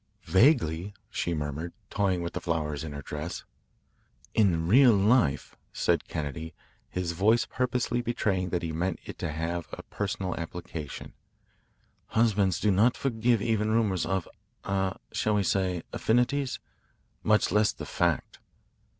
"Vaguely," she murmured, toying with the flowers in her dress. "In real life," said Kennedy, his voice purposely betraying that he meant it to have a personal application, "husbands do not forgive even rumours of ah shall we say affinities? much less the fact."